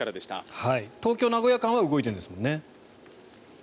東京名古屋間は動いているんですもんね。